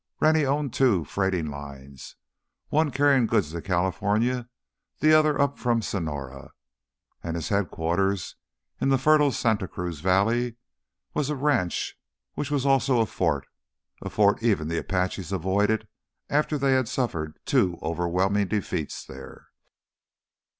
Rennie owned two freighting lines, one carrying goods to California, the other up from Sonora. And his headquarters in the fertile Santa Cruz Valley was a ranch which was also a fort, a fort even the Apaches avoided after they had suffered two overwhelming defeats there.